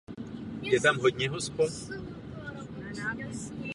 Chtěl bych říci pár slov o eurobondech.